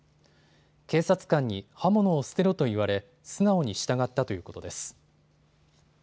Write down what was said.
警察官に刃物を捨てろと言われ素直に従ったということです。